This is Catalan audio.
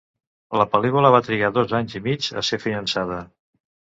La pel·lícula va trigar dos anys i mig a ser finançada.